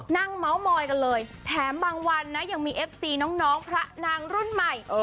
เมาส์มอยกันเลยแถมบางวันนะยังมีเอฟซีน้องพระนางรุ่นใหม่